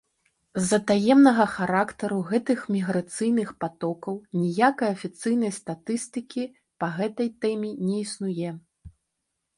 З-за таемнага характару гэтых міграцыйных патокаў ніякай афіцыйнай статыстыкі па гэтай тэме не існуе.